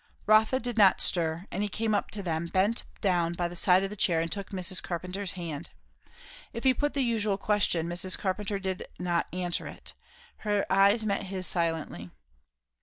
Rotha did not stir, and he came up to them, bent down by the side of the chair and took Mrs. Carpenter's hand. If he put the usual question, Mrs. Carpenter did not answer it; her eyes met his silently.